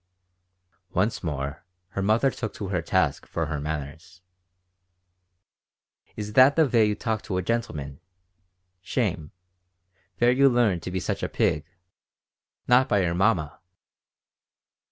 Once more her mother took her to task for her manners "Is that the vay to talk to a gentleman? Shame! Vere you lea'n up to be such a pig? Not by your mamma!"